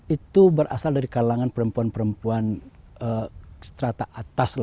itu berasal dari kalangan perempuan perempuan strata atas